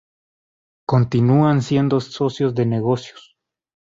Continúan siendo socios de negocios.